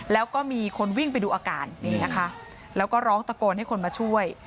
แล้วก็มีคนวิ่งไปดูอาการนี่นะคะแล้วก็ร้องตะโกนให้คนมาช่วย